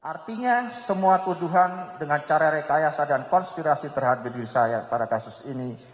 artinya semua tuduhan dengan cara rekayasa dan konspirasi terhadap diri saya pada kasus ini